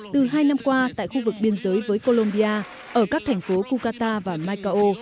từ hai năm qua tại khu vực biên giới với colombia ở các thành phố cucata và maicao